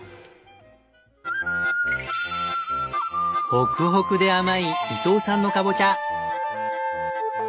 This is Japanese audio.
ホクホクで甘い伊藤さんのカボチャ。